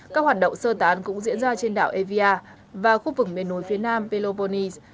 các hoạt động sơ tán cũng diễn ra trên đảo evia và khu vực miền núi phía nam peloponie